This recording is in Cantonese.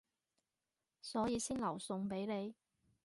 所以先留餸畀你